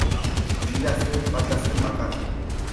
Lila zen falta zen bakarra.